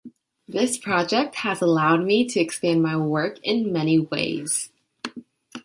This project has allowed me to expand my work in many ways.